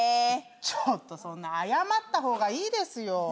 ちょっとそんな謝ったほうがいいですよ